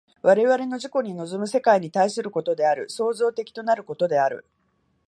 我々の自己に臨む世界に対することである、創造的となることである。